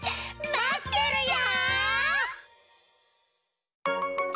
まってるよ！